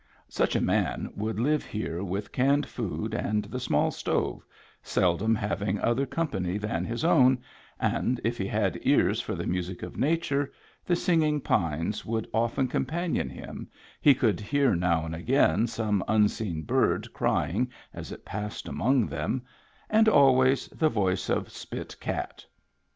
Such a man would live here with canned food and the small stove, seldom having other com pany than his own, and, if he had ears for the music of nature, the singing pines would often companion him, he could hear now and again some unseen bird crying as it passed among them, and always the voice of Spit Cat.